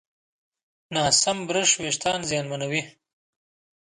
ناسم برش وېښتيان زیانمنوي.